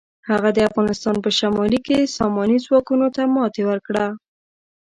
هغه د افغانستان په شمالي کې ساماني ځواکونو ته ماتې ورکړه.